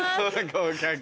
合格。